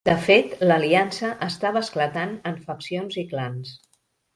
De fet l'Aliança estava esclatant en faccions i clans.